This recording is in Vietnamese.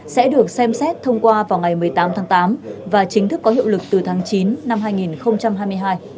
sẽ được xem xét thông qua vào ngày một mươi tám tháng tám và chính thức có hiệu lực từ tháng chín năm hai nghìn hai mươi hai